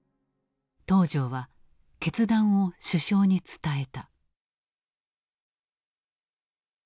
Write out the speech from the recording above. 東條は決断を首相に伝えた。